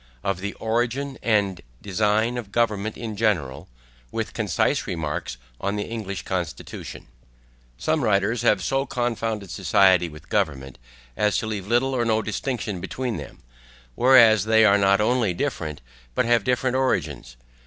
OF THE ORIGIN AND DESIGN OF GOVERNMENT IN GENERAL, WITH CONCISE REMARKS ON THE ENGLISH CONSTITUTION SOME writers have so confounded society with government, as to leave little or no distinction between them; whereas they are not only different, but have different origins.